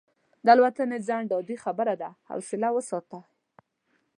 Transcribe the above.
د الوتنې ځنډ عادي خبره ده، حوصله وساته.